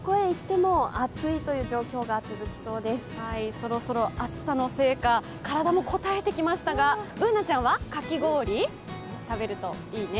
そろそろ暑さのせいか、体もこたえてきましたが、Ｂｏｏｎａちゃんはかき氷、食べるといいね。